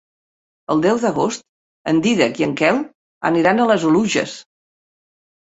El deu d'agost en Dídac i en Quel aniran a les Oluges.